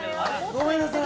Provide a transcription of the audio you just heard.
ごめんなさい。